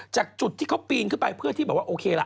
จากจุดที่เขาปีนขึ้นไปเพื่อที่แบบว่าโอเคล่ะ